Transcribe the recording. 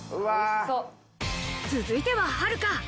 続いてははるか。